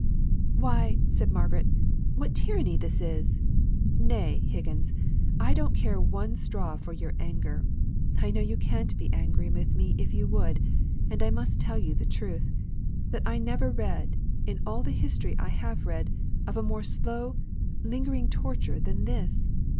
"Why!" said Margaret, "what tyranny this is! Nay, Higgins, I don't care one straw for your anger. I know you can't be angry with me if you would, and I must tell you the truth: that I never read, in all the history I have read, of a more slow, lingering torture than this.